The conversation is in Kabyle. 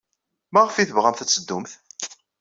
Maɣef ay tebɣamt ad teddumt?